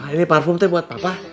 ini parfum itu buat papa